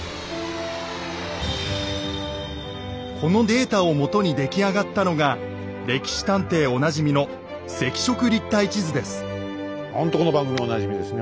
このデータをもとに出来上がったのが「歴史探偵」おなじみのほんとこの番組おなじみですね。